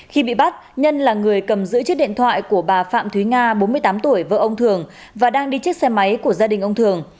khi bị bắt nhân là người cầm giữ chiếc điện thoại của bà phạm thúy nga bốn mươi tám tuổi vợ ông thường và đang đi chiếc xe máy của gia đình ông thường